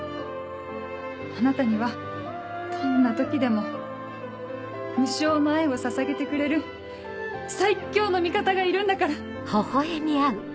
あなたにはどんな時でも無償の愛をささげてくれる最強の味方がいるんだから。